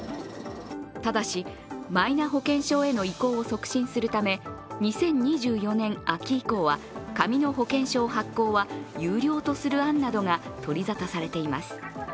ただし、マイナ保険証への移行を促進するため２０２４年秋以降は紙の保険証発行は有料とする案などが取り沙汰されています。